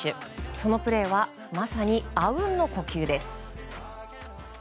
そのプレーはまさにあうんの呼吸です。